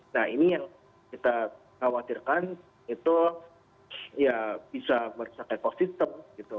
nah ini yang kita khawatirkan itu ya bisa merusak ekosistem gitu